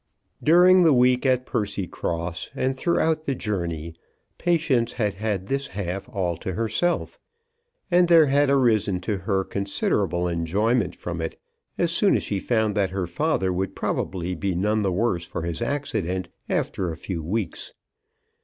During the week at Percycross and throughout the journey Patience had had this half all to herself; and there had arisen to her considerable enjoyment from it as soon as she found that her father would probably be none the worse for his accident after a few weeks.